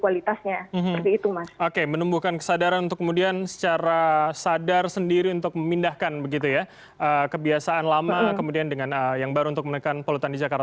oke menumbuhkan kesadaran untuk kemudian secara sadar sendiri untuk memindahkan begitu ya kebiasaan lama kemudian dengan yang baru untuk menekan polutan di jakarta